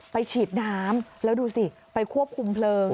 ฉีดน้ำแล้วดูสิไปควบคุมเพลิง